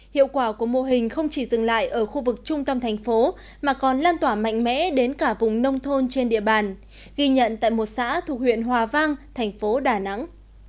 hiệu quả của mô hình không chỉ dừng lại ở khu vực trung tâm thành phố mà còn lan tỏa mạnh mẽ đến cả vùng nông thôn trên địa bàn ghi nhận tại một xã thuộc huyện hòa vang thành phố đà nẵng